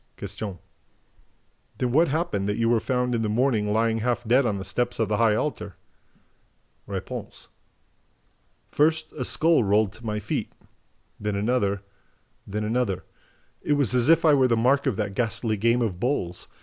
Q. "Then what happened that you were found in the morning lying half dead on the steps of the high altar?" R. "First a skull rolled to my feet ... then another ... then another ... It was as if I were the mark of that ghastly game of bowls.